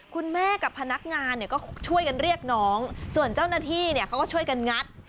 คุณแม่กับพนักงานเนี่ยก็ช่วยกันเรียกน้องส่วนเจ้าหน้าที่เนี่ยเขาก็ช่วยกันงัด